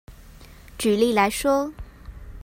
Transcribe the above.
舉例來說